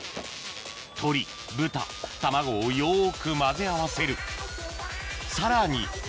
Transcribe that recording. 鶏豚卵をよく混ぜ合わせるさらに